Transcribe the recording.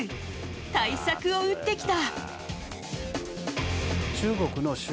対策を打ってきた。